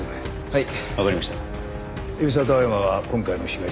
はい。